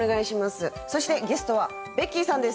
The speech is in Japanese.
そしてゲストはベッキーさんです。